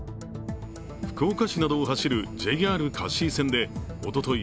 福岡市などを走るＪＲ香椎線でおととい